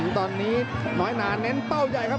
ตอนนี้น้อยหนาเน้นเป้าใหญ่ครับ